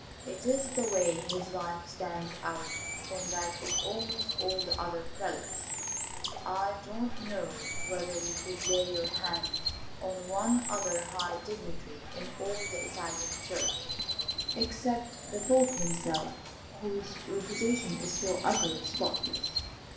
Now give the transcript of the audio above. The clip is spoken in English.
It is the way his life stands out from that of almost all the other prelates. I don't know whether you could lay your hand on one other high dignitary in all the Italian Church except the Pope himself whose reputation is so utterly spotless.